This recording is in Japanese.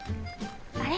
あれ？